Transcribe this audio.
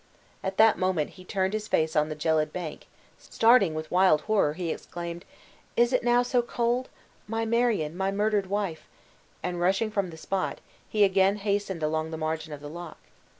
At that moment he turned his face on the gelid bank; starting with wild horror, he exclaimed, "Is it now so cold? My Marion, my murdered wife!" and, rushing from the spot, he again hastened along the margin of the loch.